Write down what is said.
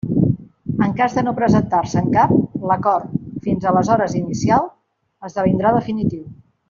En cas de no presentar-se'n cap, l'acord, fins aleshores inicial, esdevindrà definitiu.